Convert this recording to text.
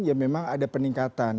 ya memang ada peningkatan